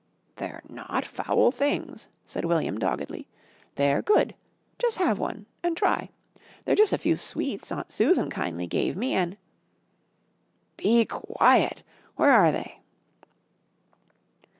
"They're not foul things," said William, doggedly. "They're good. Jus' have one, an' try. They're jus' a few sweets Aunt Susan kin'ly gave me an' " "Be quiet! Where are they?"